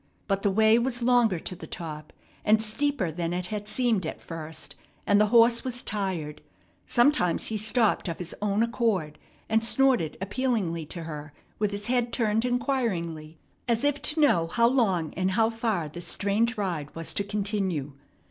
But the way was longer to the top, and steeper than it had seemed at first, and the horse was tired. Sometimes he stopped of his own accord, and snorted appealingly to her with his head turned inquiringly as if to know how long and how far this strange ride was to continue.